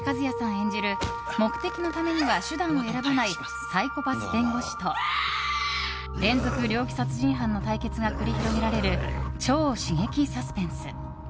演じる目的のためには手段を選ばないサイコパス弁護士と連続猟奇殺人犯の対決が繰り広げられる超刺激サスペンス。